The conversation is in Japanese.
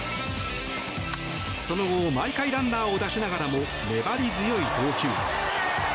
その後、毎回、ランナーを出しながらも粘り強い投球。